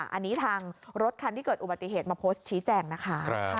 อันนี้ทางรถคันที่เกิดอุบัติเหตุมาโพสต์ชี้แจงนะคะ